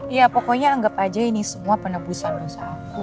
ya pokoknya anggap aja ini semua penebusan dosa aku